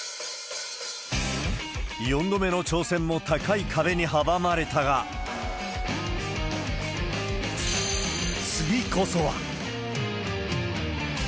４度目の挑戦も高い壁に阻まれたが、次こそは。